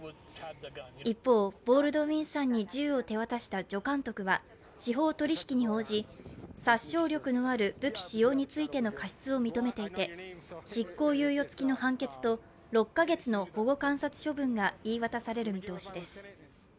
一方、ボールドウィンさんに銃を手渡した助監督は司法取り引きに応じ、殺傷力のある武器使用についての過失を認めていて、執行猶予付きの判決と６か月の保護観察処分が言い渡される見通しです。